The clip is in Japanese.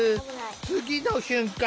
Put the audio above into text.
次の瞬間！